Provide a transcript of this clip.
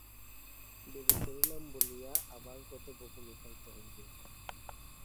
দেরি করিলাম বলিয়া আবার কত বকুনি খাইতে হইবে।